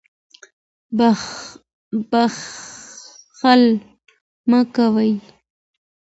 بخل مه کوئ.